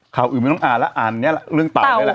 ข่าวอื่นไม่ต้องอ่านแล้วอ่านเนี่ยเรื่องเต่าได้แล้ว